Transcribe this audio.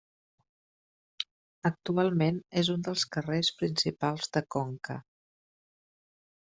Actualment és un dels carrers principals de Conca.